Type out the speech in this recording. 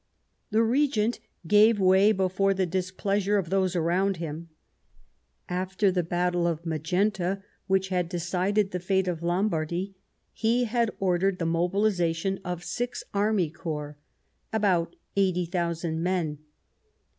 The Regent gave way before the displeasure of those around him. After the Battle of Magenta, which had decided the fate of Lombardy, he had ordered the mobilization of six army corps — about eighty thousand men.